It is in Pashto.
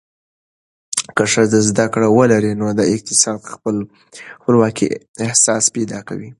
که ښځه زده کړه ولري، نو د اقتصادي خپلواکۍ احساس پیدا کوي.